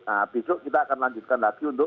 nah besok kita akan lanjutkan lagi untuk